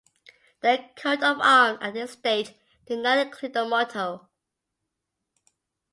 The coat of arms at this stage did not include a motto.